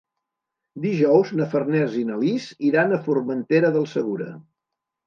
Dijous na Farners i na Lis iran a Formentera del Segura.